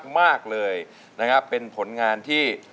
มากเลยนะครับเป็นผลงานที่